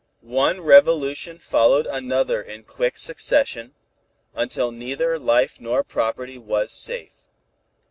One revolution followed another in quick succession, until neither life nor property was safe.